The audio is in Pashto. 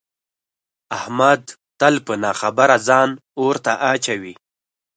احمد تل په نه خبره ځان اور ته اچوي.